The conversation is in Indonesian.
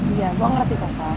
iya gue ngerti kak fah